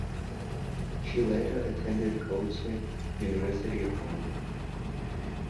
She later attended Goldsmiths, University of London.